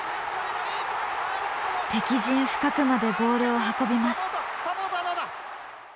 敵陣深くまでボールを運びます。